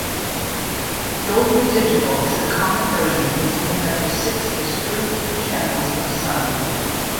Dolby Digital is the common version containing up to six discrete channels of sound.